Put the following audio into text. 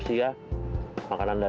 gakwinya lumayan daripada lumanyun